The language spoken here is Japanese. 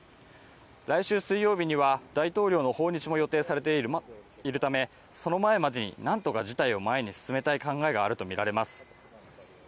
来週水曜日には大統領の訪日も予定されているためその前までになんとか事態を前に進めたい考えがあるとみられています。